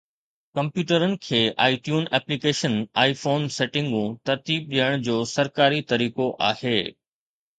ڪمپيوٽرن تي iTunes application iPhone سيٽنگون ترتيب ڏيڻ جو سرڪاري طريقو آهي